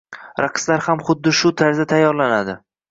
raqslar xam xuddi shu tarzda tayyorlanadi.